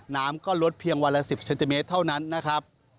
น้ำก็ลดเพียงวันละ๑๐เซนติเมตรเท่านั้นนะครับ